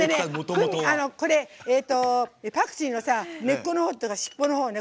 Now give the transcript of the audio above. パクチーの根っこのほう尻尾のほうね。